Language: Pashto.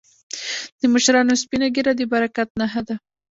د مشرانو سپینه ږیره د برکت نښه ده.